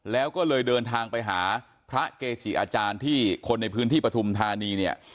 แล้วก็เลยเดินทางไปหาพระเกจิอาจารย์ที่คนในพื้นที่ปฐุมธานีเนี่ย